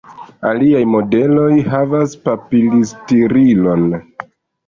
Aliaj modeloj havas papili-stirilon.